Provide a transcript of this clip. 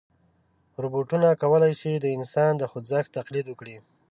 روبوټونه کولی شي د انسان د خوځښت تقلید وکړي.